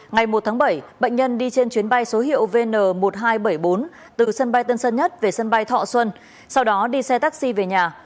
ngày một tháng bảy bệnh nhân đi trên chuyến bay số hiệu vn một nghìn hai trăm bảy mươi bốn từ sân bay tân sơn nhất về sân bay thọ xuân sau đó đi xe taxi về nhà